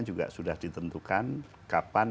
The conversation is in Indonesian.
juga sudah ditentukan kapan